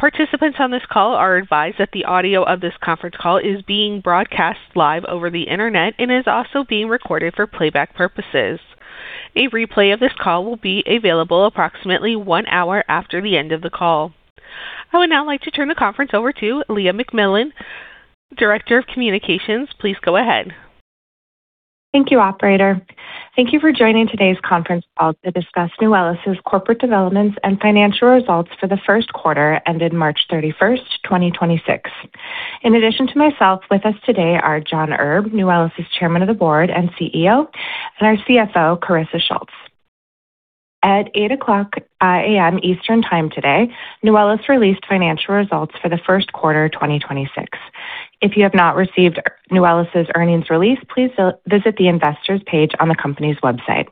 I would now like to turn the conference over to Leah McMullen, Director of Communications. Please go ahead. Thank you, operator. Thank you for joining today's conference call to discuss Nuwellis' corporate developments and financial results for the Q1 ended March 31, 2026. In addition to myself, with us today are John Erb, Nuwellis' Chairman of the Board and CEO, and our CFO, John Erb. At 8:00 A.M. Eastern Time today, Nuwellis released financial results for the Q1, 2026. If you have not received Nuwellis' earnings release, please visit the investor's page on the company's website.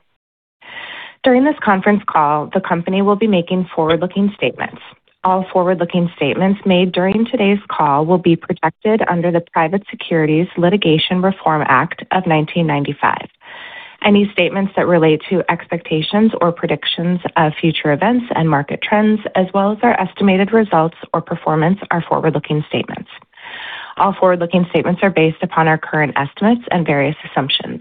During this conference call, the company will be making forward-looking statements. All forward-looking statements made during today's call will be protected under the Private Securities Litigation Reform Act of 1995. Any statements that relate to expectations or predictions of future events and market trends, as well as our estimated results or performance are forward-looking statements. All forward-looking statements are based upon our current estimates and various assumptions.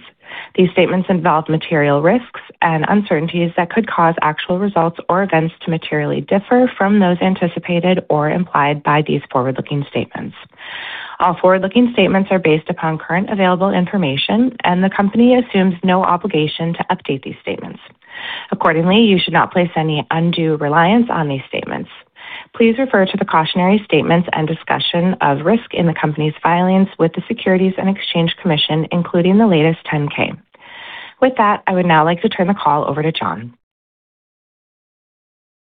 These statements involve material risks and uncertainties that could cause actual results or events to materially differ from those anticipated or implied by these forward-looking statements. All forward-looking statements are based upon current available information, and the company assumes no obligation to update these statements. Accordingly, you should not place any undue reliance on these statements. Please refer to the cautionary statements and discussion of risk in the company's filings with the Securities and Exchange Commission, including the latest 10-K. With that, I would now like to turn the call over to John.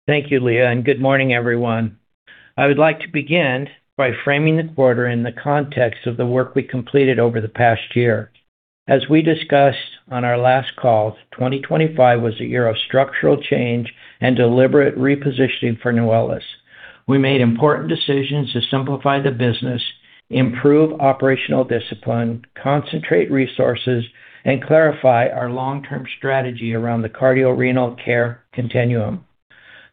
Thank you, Leah, and good morning, everyone. I would like to begin by framing the quarter in the context of the work we completed over the past year. As we discussed on our last call, 2025 was a year of structural change and deliberate repositioning for Nuwellis. We made important decisions to simplify the business, improve operational discipline, concentrate resources, and clarify our long-term strategy around the cardiorenal care continuum.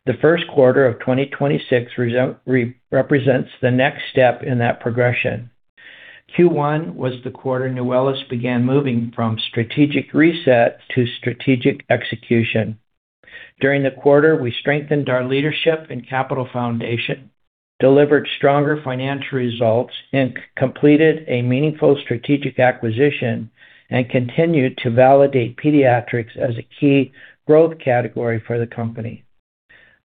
The Q1 of 2026 represents the next step in that progression. Q1 was the quarter Nuwellis began moving from strategic reset to strategic execution. During the quarter, we strengthened our leadership and capital foundation, delivered stronger financial results, and completed a meaningful strategic acquisition, and continued to validate pediatrics as a key growth category for the company.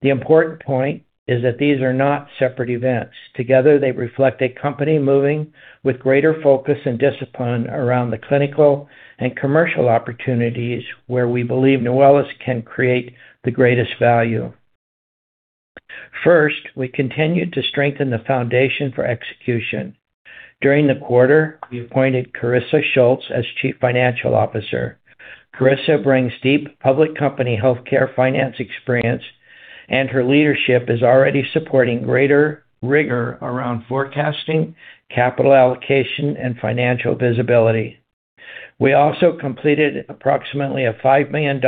The important point is that these are not separate events. Together, they reflect a company moving with greater focus and discipline around the clinical and commercial opportunities where we believe Nuwellis can create the greatest value. First, we continued to strengthen the foundation for execution. During the quarter, we appointed Carisa Schultz as Chief Financial Officer. Carisa brings deep public company healthcare finance experience, and her leadership is already supporting greater rigor around forecasting, capital allocation, and financial visibility. We also completed approximately a $5 million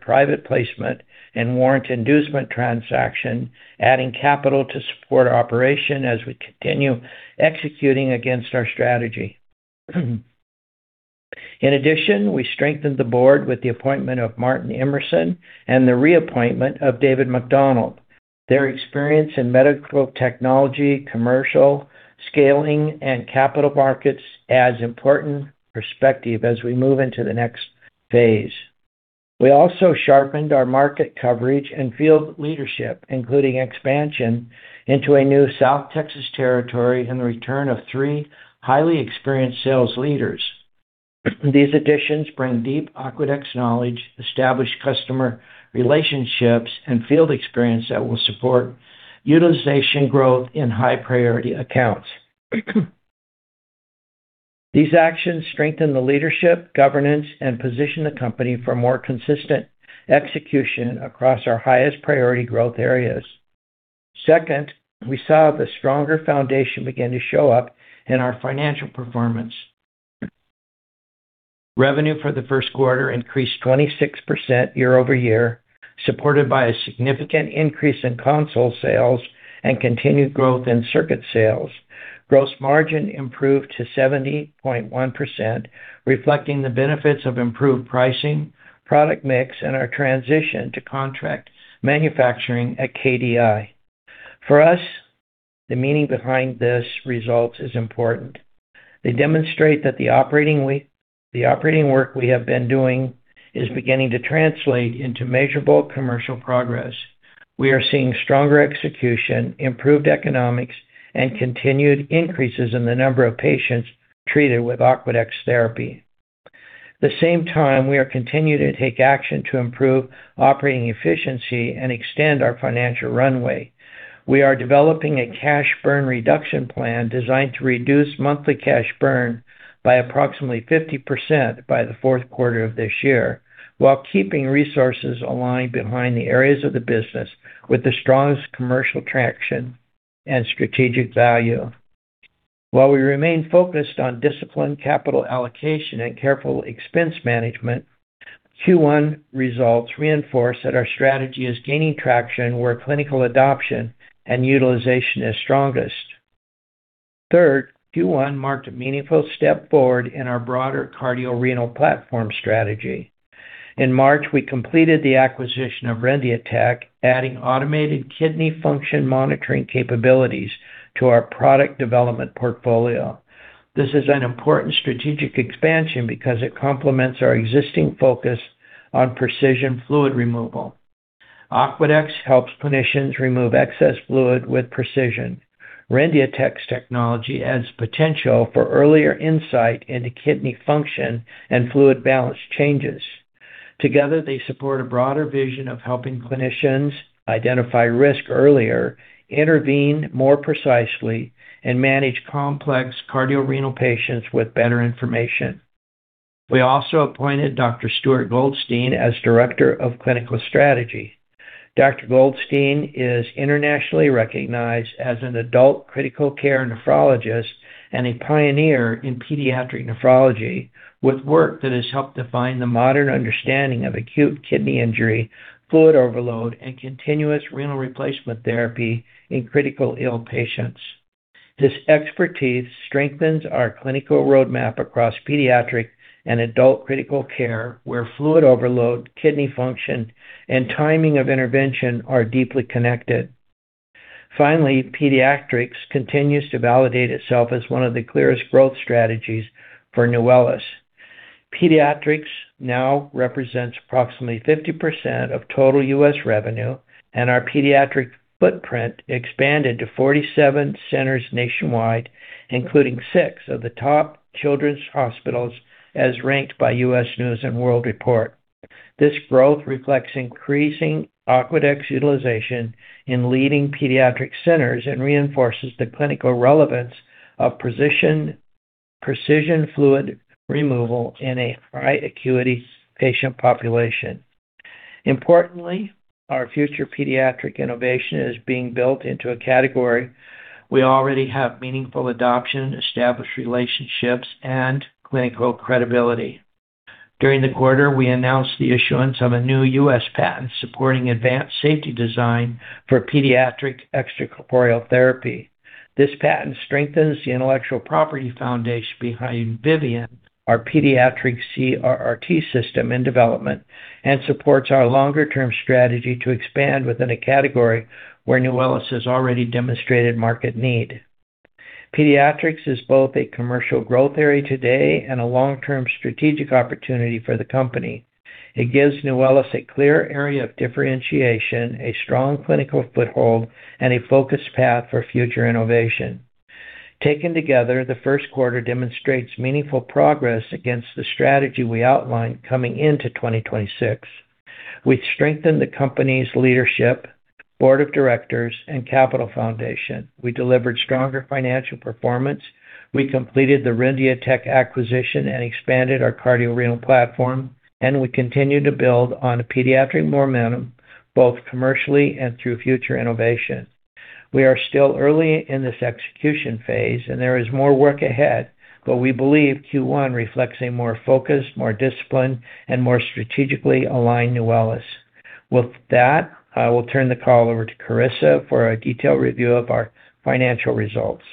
private placement and warrant inducement transaction, adding capital to support our operation as we continue executing against our strategy. We strengthened the board with the appointment of Martin Emerson and the reappointment of David A. McDonald. Their experience in medical technology, commercial scaling, and capital markets adds important perspective as we move into the next phase. We also sharpened our market coverage and field leadership, including expansion into a new South Texas territory and the return of 3 highly experienced sales leaders. These additions bring deep Aquadex knowledge, established customer relationships, and field experience that will support utilization growth in high-priority accounts. These actions strengthen the leadership, governance, and position the company for more consistent execution across our highest priority growth areas. Second, we saw the stronger foundation begin to show up in our financial performance. Revenue for the Q1 increased 26% year-over-year, supported by a significant increase in console sales and continued growth in circuit sales. Gross margin improved to 70.1%, reflecting the benefits of improved pricing, product mix, and our transition to contract manufacturing at KDI. For us, the meaning behind this result is important. They demonstrate that the operating work we have been doing is beginning to translate into measurable commercial progress. We are seeing stronger execution, improved economics, and continued increases in the number of patients treated with Aquadex therapy. At the same time, we are continuing to take action to improve operating efficiency and extend our financial runway. We are developing a cash burn reduction plan designed to reduce monthly cash burn by approximately 50% by the Q4 of this year, while keeping resources aligned behind the areas of the business with the strongest commercial traction and strategic value. While we remain focused on disciplined capital allocation and careful expense management, Q1 results reinforce that our strategy is gaining traction where clinical adoption and utilization is strongest. Third, Q1 marked a meaningful step forward in our broader cardiorenal platform strategy. In March, we completed the acquisition of Rendiatech, adding automated kidney function monitoring capabilities to our product development portfolio. This is an important strategic expansion because it complements our existing focus on precision fluid removal. Aquadex helps clinicians remove excess fluid with precision. Rendiatech's technology adds potential for earlier insight into kidney function and fluid balance changes. Together, they support a broader vision of helping clinicians identify risk earlier, intervene more precisely, and manage complex cardiorenal patients with better information. We also appointed Dr. Stuart Goldstein as Director of Clinical Strategy. Dr. Goldstein is internationally recognized as an adult critical care nephrologist and a pioneer in pediatric nephrology with work that has helped define the modern understanding of acute kidney injury, fluid overload, and continuous renal replacement therapy in critical ill patients. This expertise strengthens our clinical roadmap across pediatric and adult critical care, where fluid overload, kidney function, and timing of intervention are deeply connected. Finally, pediatrics continues to validate itself as one of the clearest growth strategies for Nuwellis. Pediatrics now represents approximately 50% of total U.S. revenue, and our pediatric footprint expanded to 47 centers nationwide, including six of the top children's hospitals as ranked by U.S. News & World Report. This growth reflects increasing Aquadex utilization in leading pediatric centers and reinforces the clinical relevance of precision fluid removal in a high acuity patient population. Importantly, our future pediatric innovation is being built into a category. We already have meaningful adoption, established relationships, and clinical credibility. During the quarter, we announced the issuance of a new U.S. patent supporting advanced safety design for pediatric extracorporeal therapy. This patent strengthens the intellectual property foundation behind Vivian, our pediatric CRRT system in development, and supports our longer-term strategy to expand within a category where Nuwellis has already demonstrated market need. Pediatrics is both a commercial growth area today and a long-term strategic opportunity for the company. It gives Nuwellis a clear area of differentiation, a strong clinical foothold, and a focused path for future innovation. Taken together, the Q1 demonstrates meaningful progress against the strategy we outlined coming into 2026. We strengthened the company's leadership, board of directors, and capital foundation. We delivered stronger financial performance. We completed the Rendiatech acquisition and expanded our cardiorenal platform, and we continue to build on a pediatric momentum both commercially and through future innovation. We are still early in this execution phase, and there is more work ahead, but we believe Q1 reflects a more focused, more disciplined, and more strategically aligned Nuwellis. With that, I will turn the call over to Carisa for a detailed review of our financial results.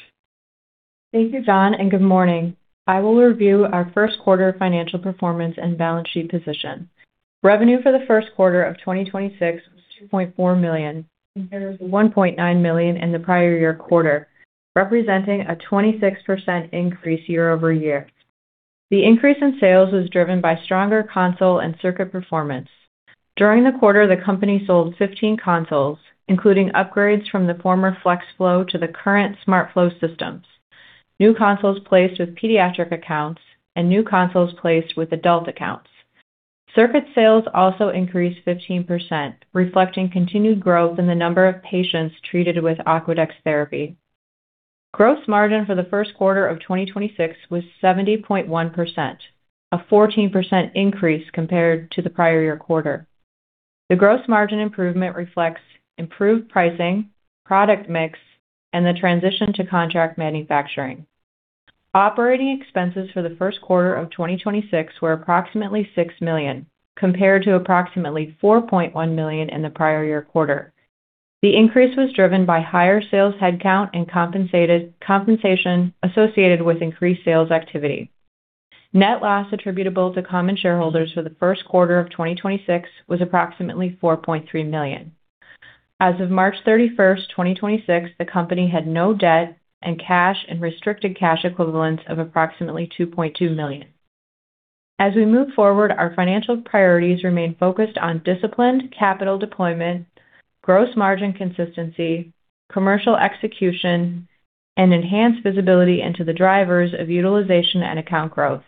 Thank you, John, and good morning. I will review our Q1 financial performance and balance sheet position. Revenue for the Q1 of 2026 was $2.4 million compared to $1.9 million in the prior year quarter, representing a 26% increase year-over-year. The increase in sales was driven by stronger console and circuit performance. During the quarter, the company sold 15 consoles, including upgrades from the former FlexFlow to the current SmartFlow systems, new consoles placed with pediatric accounts, and new consoles placed with adult accounts. Circuit sales also increased 15%, reflecting continued growth in the number of patients treated with Aquadex therapy. Gross margin for the Q1 of 2026 was 70.1%, a 14% increase compared to the prior year quarter. The gross margin improvement reflects improved pricing, product mix, and the transition to contract manufacturing. Operating expenses for the Q1 of 2026 were approximately $6 million, compared to approximately $4.1 million in the prior year quarter. The increase was driven by higher sales headcount and compensation associated with increased sales activity. Net loss attributable to common shareholders for the Q1 of 2026 was approximately $4.3 million. As of March 31st, 2026, the company had no debt and cash and restricted cash equivalents of approximately $2.2 million. As we move forward, our financial priorities remain focused on disciplined capital deployment, gross margin consistency, commercial execution, and enhance visibility into the drivers of utilization and account growth.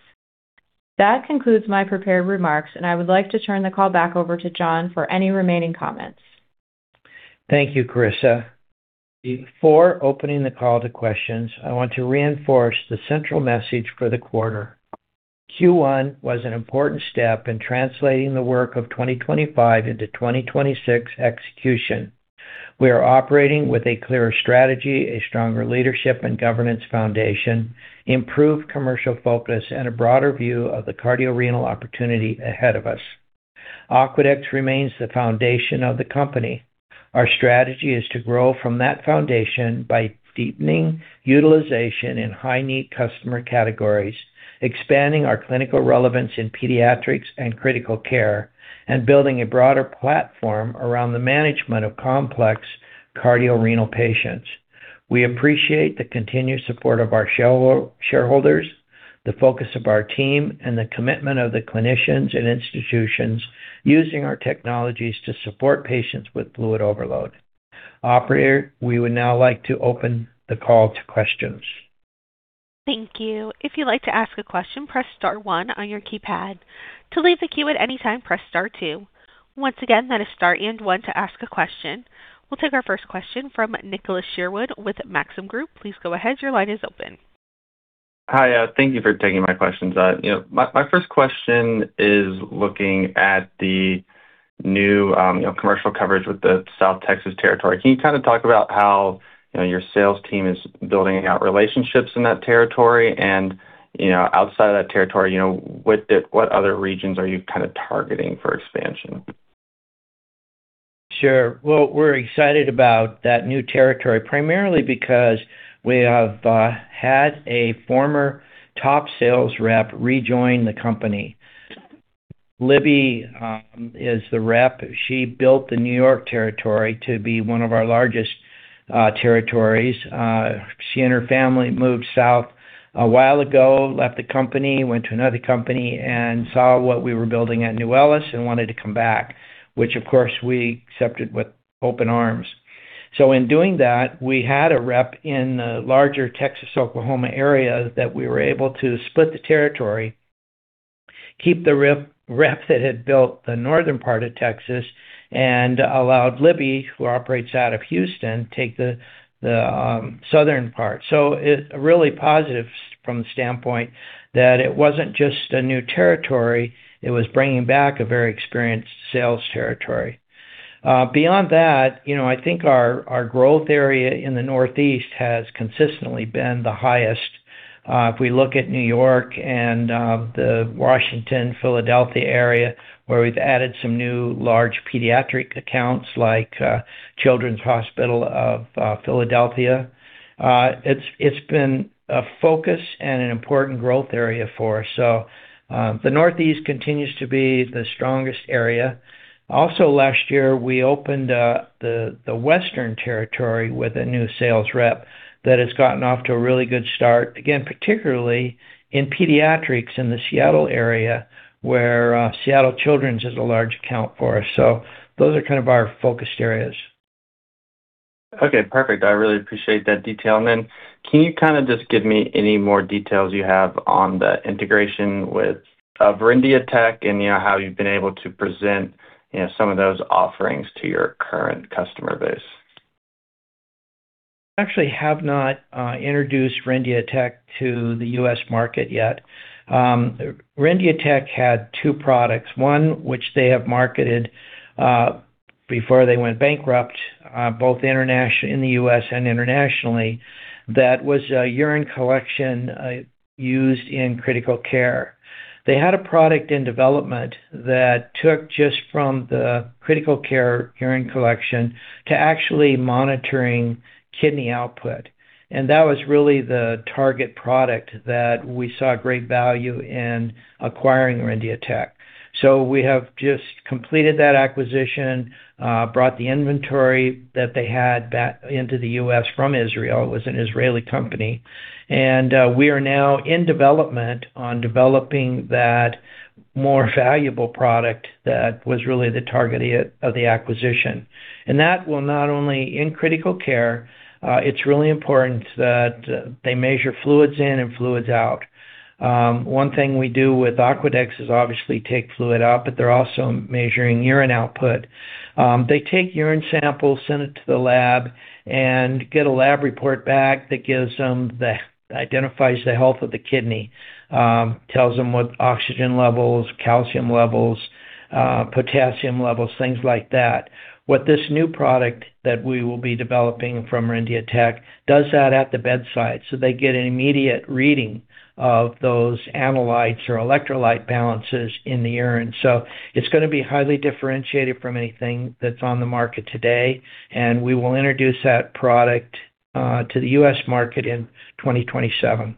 That concludes my prepared remarks, and I would like to turn the call back over to John for any remaining comments. Thank you, Carisa. Before opening the call to questions, I want to reinforce the central message for the quarter. Q1 was an important step in translating the work of 2025 into 2026 execution. We are operating with a clearer strategy, a stronger leadership and governance foundation, improved commercial focus, and a broader view of the cardiorenal opportunity ahead of us. Aquadex remains the foundation of the company. Our strategy is to grow from that foundation by deepening utilization in high-need customer categories, expanding our clinical relevance in pediatrics and critical care, and building a broader platform around the management of complex cardiorenal patients. We appreciate the continued support of our shareholders, the focus of our team, and the commitment of the clinicians and institutions using our technologies to support patients with fluid overload. Operator, we would now like to open the call to questions. Thank you. If you'd like to ask a question, press star one on your keypad. To leave the queue at any time, press star two. Once again, that is star and one to ask a question. We'll take our first question from Nicholas Sherwood with Maxim Group. Please go ahead. Your line is open. Hi. Thank you for taking my questions. You know, my first question is looking at the new, you know, commercial coverage with the South Texas territory. Can you kinda talk about how, you know, your sales team is building out relationships in that territory and, you know, outside of that territory, you know, what other regions are you kinda targeting for expansion? Sure. Well, we're excited about that new territory primarily because we have had a former top sales rep rejoin the company. Libby is the rep. She built the New York territory to be one of our largest territories. She and her family moved south a while ago, left the company, went to another company and saw what we were building at Nuwellis and wanted to come back, which of course, we accepted with open arms. In doing that, we had a rep in the larger Texas-Oklahoma area that we were able to split the territory, keep the rep that had built the northern part of Texas and allowed Libby, who operates out of Houston, take the southern part. It really positive from the standpoint that it wasn't just a new territory, it was bringing back a very experienced sales territory. Beyond that, you know, I think our growth area in the Northeast has consistently been the highest. If we look at New York and the Washington, Philadelphia area, where we've added some new large pediatric accounts like Children's Hospital of Philadelphia, it's been a focus and an important growth area for us. The Northeast continues to be the strongest area. Also, last year, we opened the Western territory with a new sales rep that has gotten off to a really good start, again, particularly in pediatrics in the Seattle area where Seattle Children's is a large account for us. Those are kind of our focused areas. Okay, perfect. I really appreciate that detail. Can you kinda just give me any more details you have on the integration with Rendiatech and, you know, how you've been able to present, you know, some of those offerings to your current customer base? Actually have not introduced Rendiatech to the U.S. market yet. Rendiatech had 2 products. One, which they have marketed, before they went bankrupt, in the U.S. and internationally, that was a urine collection, used in critical care. They had a product in development that took just from the critical care urine collection to actually monitoring kidney output. That was really the target product that we saw great value in acquiring Rendiatech. We have just completed that acquisition, brought the inventory that they had back into the U.S. from Israel. It was an Israel company. We are now in development on developing that more valuable product that was really the target of the acquisition. That will not only in critical care, it's really important that they measure fluids in and fluids out. One thing we do with Aquadex is obviously take fluid out, they're also measuring urine output. They take urine sample, send it to the lab, get a lab report back that gives them identifies the health of the kidney, tells them what oxygen levels, calcium levels, potassium levels, things like that. What this new product that we will be developing from Rendiatech does that at the bedside, they get an immediate reading of those analytes or electrolyte balances in the urine. It's gonna be highly differentiated from anything that's on the market today, we will introduce that product to the U.S. market in 2027.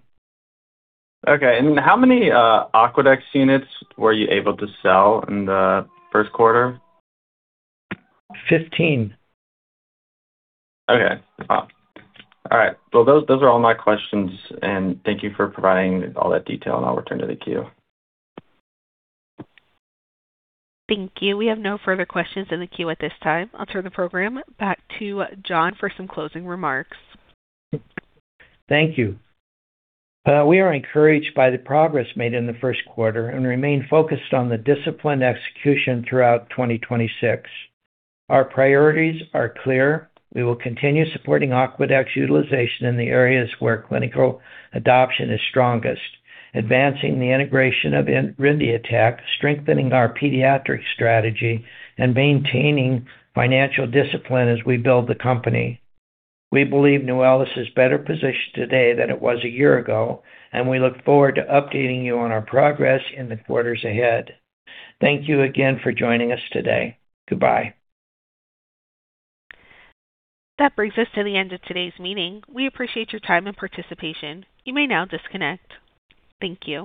Okay. How many Aquadex units were you able to sell in the Q1? 15. Okay. All right. Well, those are all my questions. Thank you for providing all that detail. I'll return to the queue. Thank you. We have no further questions in the queue at this time. I'll turn the program back to John for some closing remarks. Thank you. We are encouraged by the progress made in the Q1 and remain focused on the disciplined execution throughout 2026. Our priorities are clear. We will continue supporting Aquadex utilization in the areas where clinical adoption is strongest, advancing the integration of Rendiatech, strengthening our pediatric strategy, and maintaining financial discipline as we build the company. We believe Nuwellis is better positioned today than it was a year ago. We look forward to updating you on our progress in the quarters ahead. Thank you again for joining us today. Goodbye. That brings us to the end of today's meeting. We appreciate your time and participation. You may now disconnect. Thank you.